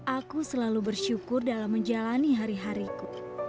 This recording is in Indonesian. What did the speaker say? aku selalu bersyukur dalam menjalani hari hariku